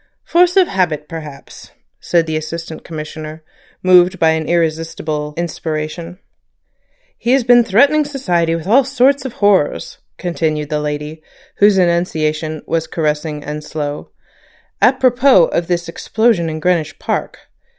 "Force of habit perhaps," said the Assistant Commissioner, moved by an irresistible inspiration. "He has been threatening society with all sorts of horrors," continued the lady, whose enunciation was caressing and slow, "apropos of this explosion in Greenwich Park.